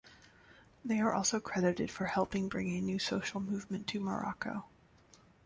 They are also credited for helping bring a new social movement to Morocco.